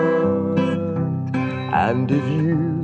มีคนเดียว